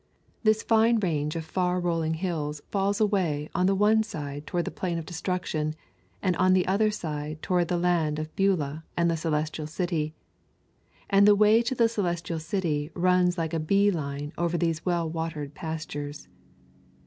This fine range of far rolling hills falls away on the one side toward the plain of Destruction, and on the other side toward the land of Beulah and the Celestial City, and the way to the Celestial City runs like a bee line over these well watered pastures.